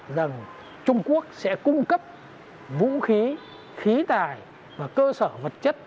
rằng trung quốc sẽ cung cấp vũ khí khí tài và cơ sở vật chất